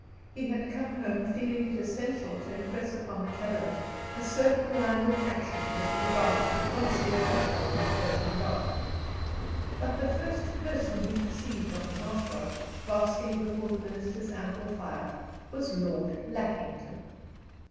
He had come home feeling it essential to impress upon the cabinet a certain line of action with regard to the policy of Russia on the Persian Gulf. But the first person he perceived on the hearth rug, basking before the Minister's ample fire, was Lord Lackington.